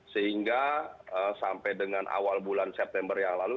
sehingga sampai dengan awal bulan september yang lalu